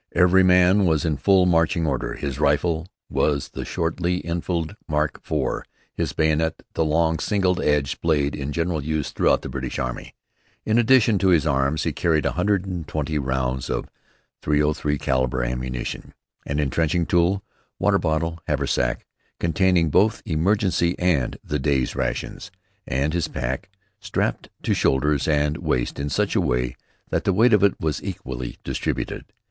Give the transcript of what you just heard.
Every man was in full marching order. His rifle was the "Short Lee Enfield, Mark IV," his bayonet, the long single edged blade in general use throughout the British Army. In addition to his arms he carried 120 rounds of ".303" caliber ammunition, an intrenching tool, water bottle, haversack, containing both emergency and the day's rations, and his pack, strapped to shoulders and waist in such a way that the weight of it was equally distributed.